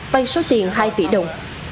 vay số tiền hai tỷ đồng